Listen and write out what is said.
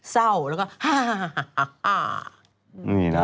เศร้าแล้วก็ฮ่า